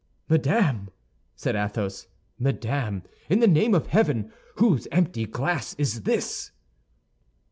"Madame!" said Athos, "madame, in the name of heaven, whose empty glass is this?"